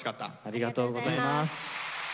ありがとうございます。